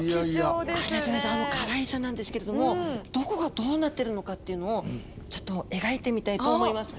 あのかわいさなんですけれどもどこがどうなってるのかっていうのをちょっと描いてみたいと思います。